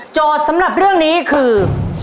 โจทย์สำหรับเรื่องนี้คือ